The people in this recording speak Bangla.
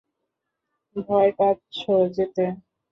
ভয় পাচ্ছো যেতে?